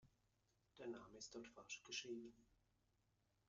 Dein Name ist dort falsch geschrieben.